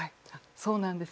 そうなんです。